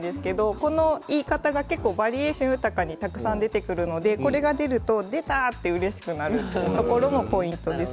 この言い方が結構バリエーション豊かにたくさん出てくるのでこれが出ると出たとうれしくなるところもポイントです。